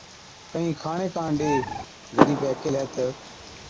ڪهِين کاڻي ڪاڻ ڏي۔ غريبَي ڪيهلَي تہ،